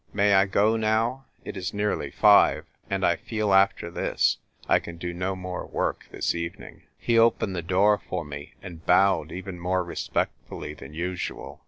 "May I go now ? It is nearly five. And I feel, after this, I can do no more work this even ing." He opened the door for me and bowed even more respectfully than usual.